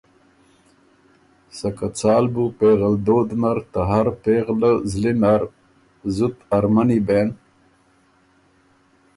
سکه څال بو پېغلدود نر ته هر پېغله زلی نر زُت ارمنی بېن۔